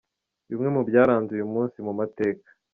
Bimwe mu byaranze uyu munsi mu mateka.